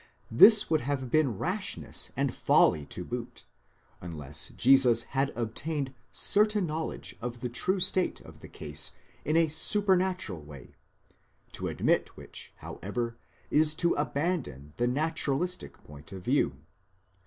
This would have been rashness and folly to boot, unless Jesus had obtained certain knowledge of the true state of the case in a supernatural way :!? to admit which, however, is to abandon the naturalistic point of view.